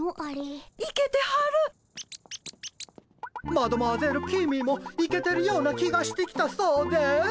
マドモアゼル公もイケてるような気がしてきたそうです。